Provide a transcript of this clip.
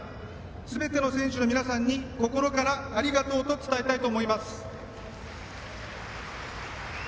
すべての選手の皆さんに心から、ありがとうと伝えたいと思います。